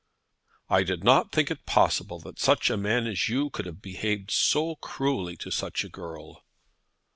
"I did not think it possible that such a man as you could have behaved so cruelly to such a girl."